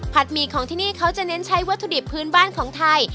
หมี่ของที่นี่เขาจะเน้นใช้วัตถุดิบพื้นบ้านของไทย